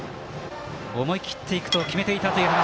思い切っていくと決めていたという話。